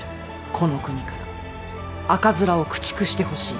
この国から赤面を駆逐してほしい。